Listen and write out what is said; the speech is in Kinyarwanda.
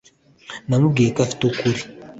namubwiye ko afite ukuri